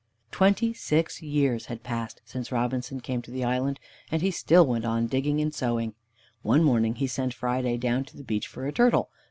Twenty six years had passed since Robinson came to the island, and he still went on digging and sowing. One morning he sent Friday down to the beach for a turtle.